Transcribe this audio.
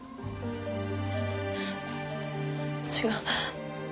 違う。